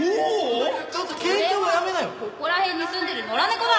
俺はここら辺に住んでる野良猫だ！